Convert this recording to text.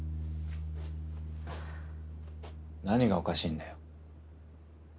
何がおかしいんだよ？